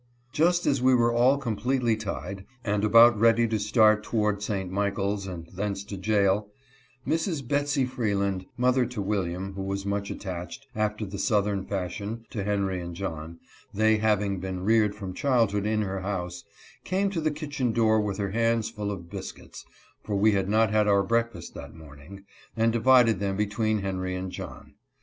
Just as we were all completely tied, and about ready to start toward St. Michaels, and thence to jail, Mrs. Betsey Freeland (mother to William, who was much attached, after the Southern fashion, to Henry and John, they hav ing been reared from childhood in her house) came to the kitchen door with her hands full of biscuits, for we had not had our breakfast that morning, and divided them between Henry and John.